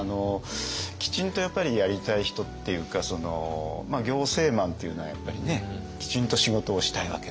きちんとやっぱりやりたい人っていうか行政マンというのはやっぱりねきちんと仕事をしたいわけですよ。